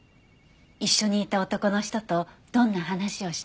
一緒にいた男の人とどんな話をしたか。